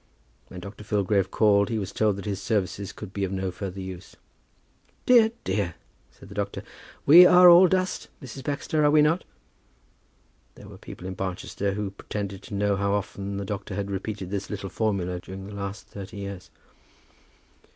When Dr. Filgrave called he was told that his services could be of no further use. "Dear, dear!" said the doctor. "We are all dust, Mrs. Baxter; are we not?" There were people in Barchester who pretended to know how often the doctor had repeated this little formula during the last thirty years.